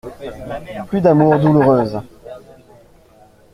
Plus d'amours douloureuses.